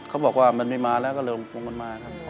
เขาบอกว่ามันไม่มาแล้วก็เลยลงมันมาครับ